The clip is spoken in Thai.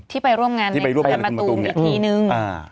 ที่ไปร่วมงานในสกัดประตูมอีกทีนึง